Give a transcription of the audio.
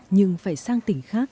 nhưng phải sang tỉnh khác